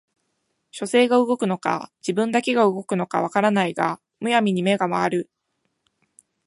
書生が動くのか自分だけが動くのか分からないが無闇に眼が廻る